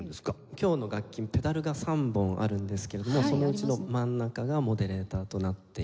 今日の楽器ペダルが３本あるんですけれどもそのうちの真ん中がモデレーターとなっています。